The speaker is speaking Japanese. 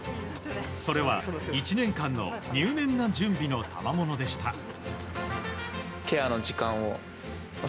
それは１年間の入念な準備のたまものでした。